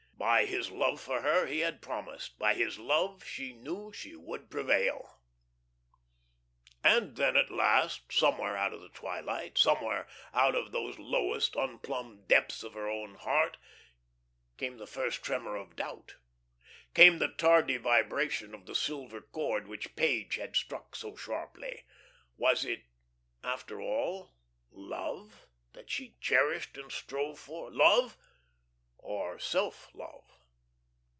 By his love for her he had promised; by his love she knew she would prevail. And then at last, somewhere out of the twilight, somewhere out of those lowest, unplumbed depths of her own heart, came the first tremor of doubt, come the tardy vibration of the silver cord which Page had struck so sharply. Was it after all Love, that she cherished and strove for love, or self love?